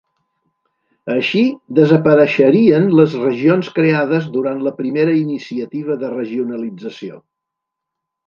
Així desapareixerien les regions creades durant la primera iniciativa de regionalització.